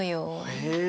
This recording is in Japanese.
へえ。